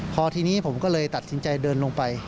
พอทีนี้ผมก็เลยตัดสินใจเดินลงไป